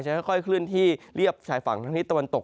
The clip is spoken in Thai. จะค่อยขึ้นที่เรียบชายฝั่งทางทิศตะวันตก